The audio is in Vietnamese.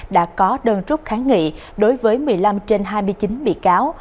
đã có đơn trúc kháng nghị đối với một mươi năm trên hai mươi chín bị cáo